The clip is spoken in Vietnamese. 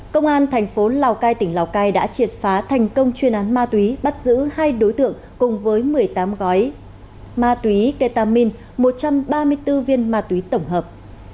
công an thành phố lào cai tỉnh lào cai đã triệt phá thành công chuyên án ma túy bắt giữ hai đối tượng cùng với một mươi tám gói ma túy ketamin một trăm ba mươi bốn viên ma túy tổng hợp